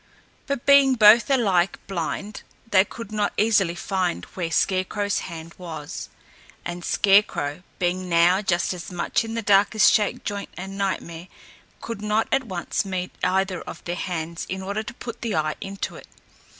But being both alike blind, they could not easily find where Scarecrow's hand was; and Scarecrow, being now just as much in the dark as Shakejoint and Nightmare, could not at once meet either of their hands in order to put the eye into it.